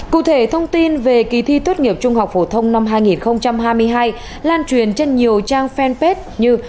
cụ thể thông tin về kỳ thi tốt nghiệp trung học phổ thông năm hai nghìn hai mươi hai lan truyền trên nhiều trang fanpage như